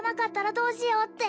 どうしようって